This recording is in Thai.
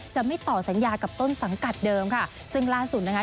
จะไม่ต่อสัญญากับต้นสังกัดเดิมค่ะซึ่งล่าสุดนะคะ